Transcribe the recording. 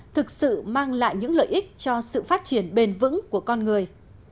thực sự mang lại những lợi ích cho sự phát triển bền vững của con người